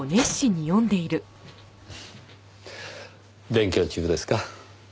勉強中ですか？